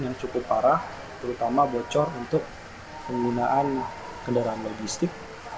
yang cukup parah terutama bocor untuk penggunaan kendaraan logistik